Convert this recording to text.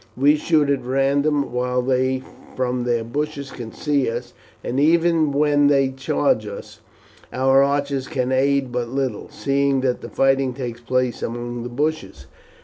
We shoot at random, while they from their bushes can see us, and even when they charge us our archers can aid but little, seeing that the fighting takes place among the bushes.